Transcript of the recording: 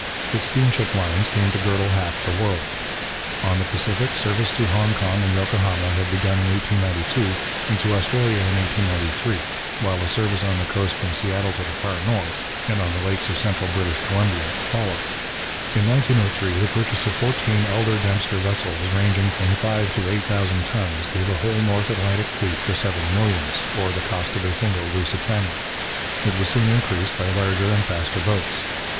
Its steamship lines came to girdle half the world. On the Pacific, service to Hong Kong and Yokohama had begun in 1892 and to Australia in 1893, while a service on the coast from Seattle to the far north, and on the lakes of central British Columbia, followed. The Great Lakes fleet was still earlier in being. In 1903 the purchase of fourteen Elder Dempster vessels ranging from five to eight thousand tons gave a whole North Atlantic fleet for seven millions, or the cost of a single Lusitania. It was soon increased by larger and faster boats.